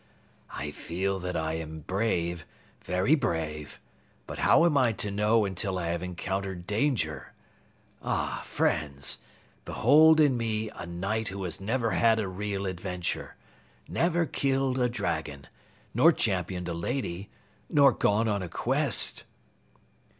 "I feel that I am brave, very brave, but how am I to know until I have encountered danger? Ah, friends, behold in me a Knight who has never had a real adventure, never killed a dragon, nor championed a Lady, nor gone on a Quest!"